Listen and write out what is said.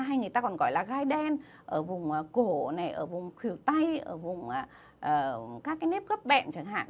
hay người ta còn gọi là gai đen ở vùng cổ này ở vùng khỉu tay ở vùng các cái nếp gấp bẹn chẳng hạn